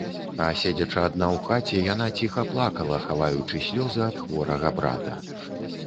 А седзячы адна ў хаце, яна ціха плакала, хаваючы слёзы ад хворага брата.